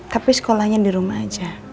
tapi sekolahnya di rumah aja